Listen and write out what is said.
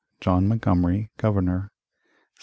John Montgomery Governor 1729.